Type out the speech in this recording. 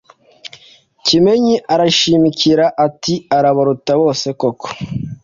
Kimenyi arashimikira ati ”Arabaruta bose koko